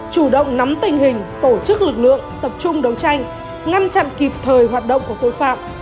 chủ động nắm tình hình tổ chức lực lượng tập trung đấu tranh ngăn chặn kịp thời hoạt động của tội phạm